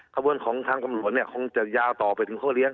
ขบวนของทางกำหนดคงจะยาวต่อไปถึงข้อเลี้ยง